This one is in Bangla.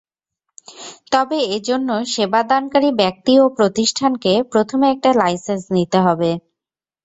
তবে এ জন্য সেবাদানকারী ব্যক্তি ও প্রতিষ্ঠানকে প্রথমে একটা লাইসেন্স নিতে হবে।